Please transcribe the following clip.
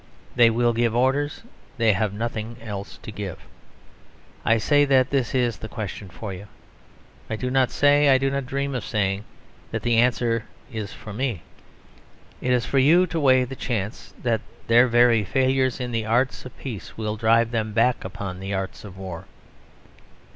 They will give orders; they have nothing else to give. I say that this is the question for you; I do not say, I do not dream of saying, that the answer is for me. It is for you to weigh the chance that their very failures in the arts of peace will drive them back upon the arts of war.